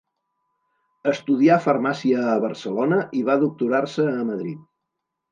Estudià farmàcia a Barcelona i va doctorar-se a Madrid.